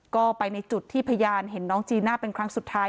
ก็ไปในจุดที่พยานเห็นน้องจีน่าเป็นครั้งสุดท้าย